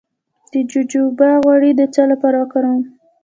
د جوجوبا غوړي د څه لپاره وکاروم؟